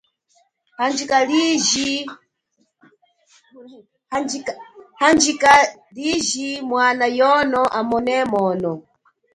Handjika liji mwana yono amone mwono.